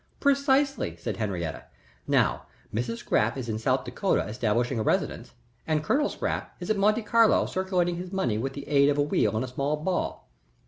"Precisely," said Henriette. "Now Mrs. Scrappe is in South Dakota establishing a residence, and Colonel Scrappe is at Monte Carlo circulating his money with the aid of a wheel and a small ball.